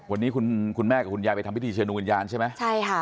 วันนี้คุณคุณแม่กับคุณยายไปทำพิธีเชิญดวงวิญญาณใช่ไหมใช่ค่ะ